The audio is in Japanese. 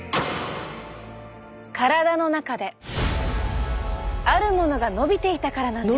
体の中であるものが伸びていたからなんです。